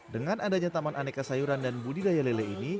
dengan adanya taman aneka sayuran dan budidaya lele ini